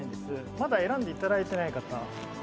まだ選んでいただいていない方。